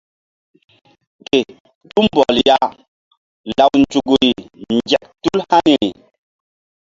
Ke tumbɔl ya law nzukri nzek tul haniri.